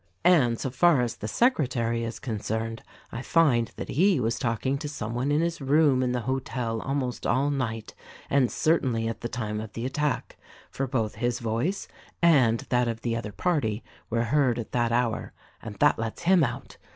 "And so far as the secretary is concerned I find that he was talking to some one in his room in the hotel almost all night, and certainly at the time of the attack ; for both his voice and that of the other party were heard at that hour — and that lets him out.